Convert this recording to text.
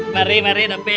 mari mari dapin